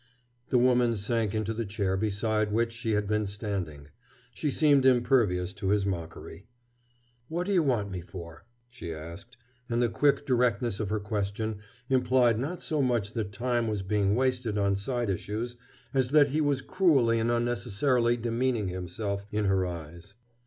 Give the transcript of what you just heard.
The woman sank into the chair beside which she had been standing. She seemed impervious to his mockery. "What do you want me for?" she asked, and the quick directness of her question implied not so much that time was being wasted on side issues as that he was cruelly and unnecessarily demeaning himself in her eyes.